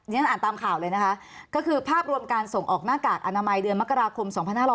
ฉันอ่านตามข่าวเลยนะคะก็คือภาพรวมการส่งออกหน้ากากอนามัยเดือนมกราคม๒๕๖๐